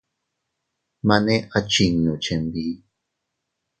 Mane a chinnu chinbi.